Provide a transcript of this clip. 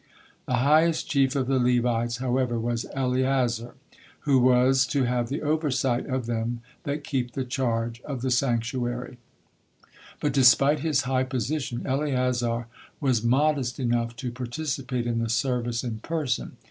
The highest chief of the Levites, however, was Eleazar, who was "to have the oversight of them that keep the charge of the santuary." But despite his high position, Eleazar was modest enough to participate in the service in person.